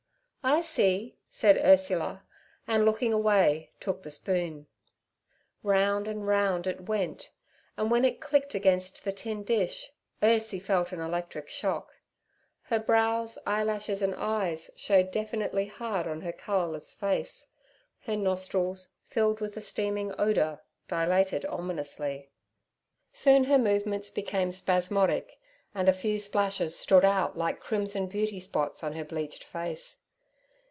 'I see' said Ursula, and looking away, took the spoon. Round and round it went, and when it clicked against the tin dish Ursie felt an electric shock. Her brows, eyelashes, and eyes showed definitely hard on her colourless face. Her nostrils, filled with the steaming odour, dilated ominously. Soon her movements became spasmodic, and a few splashes stood out like crimson beauty spots on her bleached face.